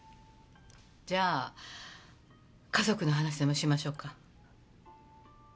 じゃあ家族の話でもしましょうか。